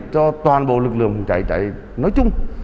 cho toàn bộ lực lượng cháy cháy nói chung